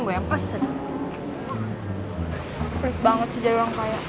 jangan pesen aja